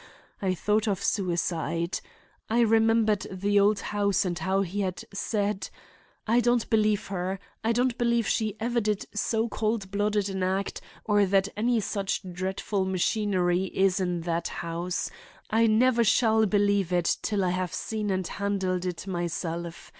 I thought of suicide. I remembered the old house and how he had said, 'I don't believe her. I don't believe she ever did so cold blooded an act, or that any such dreadful machinery is in that house. I never shall believe it till I have seen and handled it myself.